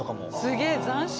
すげえ斬新！